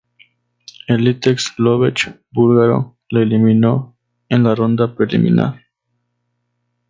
El Litex Lovech búlgaro le eliminó en la ronda preliminar.